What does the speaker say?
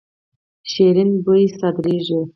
شیرین بویه صادریږي.